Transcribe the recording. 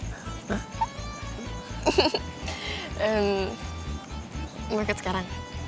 dan mau ke sekarang